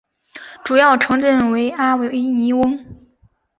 主要城镇为阿维尼翁。